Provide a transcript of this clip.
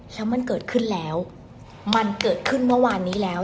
แล้วมันเกิดขึ้นแล้วมันเกิดขึ้นเมื่อวานนี้แล้ว